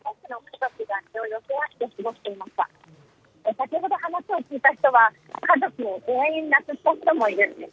先ほど話を聞いた人は家族を亡くした人もいる。